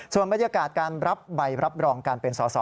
ส่วนบรรยากาศการรับใบรับรองการเป็นสอสอ